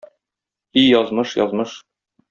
И язмыш, язмыш!